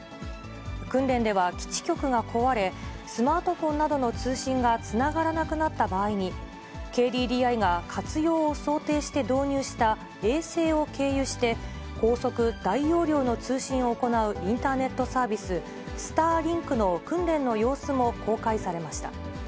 訓練では、基地局が壊れ、スマートフォンなどの通信がつながらなくなった場合に、ＫＤＤＩが活用を想定して導入した、衛星を経由して、高速・大容量の通信を行うインターネットサービス、スターリンクの訓練の様子も公開されました。